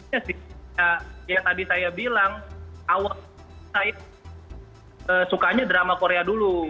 ya sih ya tadi saya bilang awal saya sukanya drama korea dulu